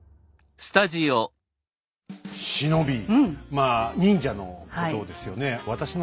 まあ忍者のことですよね。